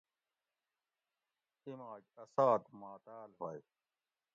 "اِیماگ ا سات ماتاۤل ہوئے"""